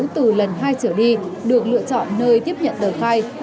từ lần hai trở đi được lựa chọn nơi tiếp nhận tờ khai